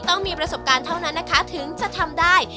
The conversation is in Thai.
ต้องมีประสบการณ์เท่านั้นนะคะถึงจะทำได้